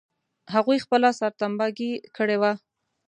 هغوی خپله سرټمبه ګي کړې وه.